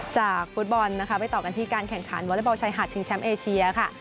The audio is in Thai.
จากฟุตบอลนะคะไปต่อกันที่การแข่งขันวอเล็กบอลชายหาดชิงแชมป์เอเชียค่ะ